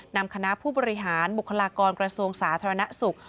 นำคณะผู้บริหารบุคลากรกระทรวงสาธารณสุข